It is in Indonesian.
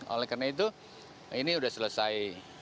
oleh karena itu ini sudah selesai